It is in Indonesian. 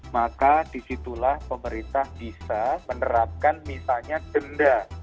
maka di situlah pemerintah bisa menerapkan misalnya denda